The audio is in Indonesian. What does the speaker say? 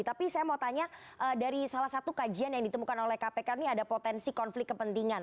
tapi saya mau tanya dari salah satu kajian yang ditemukan oleh kpk ini ada potensi konflik kepentingan